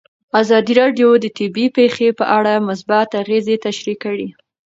ازادي راډیو د طبیعي پېښې په اړه مثبت اغېزې تشریح کړي.